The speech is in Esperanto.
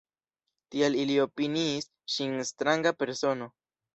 Tial ili opiniis ŝin stranga persono.